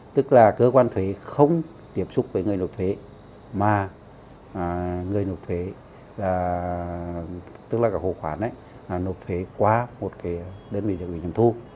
tức là cơ quan thuế không tiếp xúc với người nộp thuế mà người nộp thuế tức là cả hộ khoản nộp thuế qua một đơn vị ủy nhiệm thu